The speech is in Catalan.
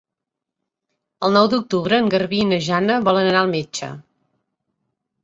El nou d'octubre en Garbí i na Jana volen anar al metge.